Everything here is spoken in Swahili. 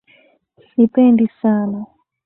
Sipendi sana.